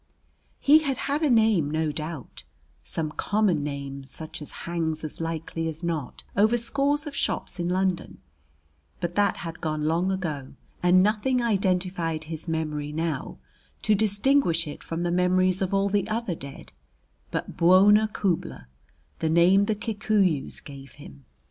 He had had a name no doubt, some common name such as hangs as likely as not over scores of shops in London; but that had gone long ago, and nothing identified his memory now to distinguish it from the memories of all the other dead but "Bwona Khubla," the name the Kikuyus gave him.